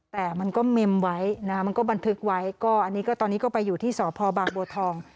แต่มันก็เมมไว้นะมันก็บันทึกไว้ก็อันนี้ก็ตอนนี้ก็ไปอยู่ที่สพบางบัวทอง